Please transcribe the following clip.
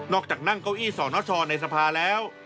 จากนั่งเก้าอี้สนชในสภาแล้ว